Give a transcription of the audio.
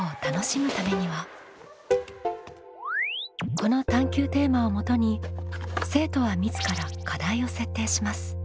この探究テーマをもとに生徒は自ら課題を設定します。